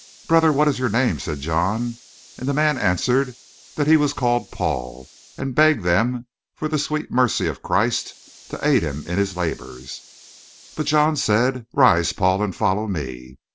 "'Brother, what is your name?' said John, and the man answered that he was called Paul, and begged them for the sweet mercy of Christ to aid him in his labors. "But John said: 'Rise, Paul, and follow me.'